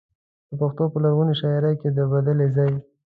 د پښتو په لرغونې شاعرۍ کې د بدلې ځای.